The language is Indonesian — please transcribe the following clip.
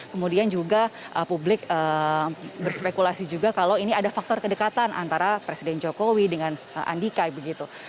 kemudian juga publik berspekulasi juga kalau ini ada faktor kedekatan antara presiden jokowi dengan andika begitu